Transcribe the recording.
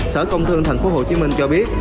sở công thương thành phố hồ chí minh cho biết